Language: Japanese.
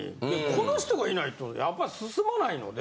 この人がいないとやっぱ進まないので。